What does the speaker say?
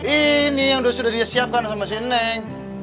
ini yang sudah disiapkan sama si neng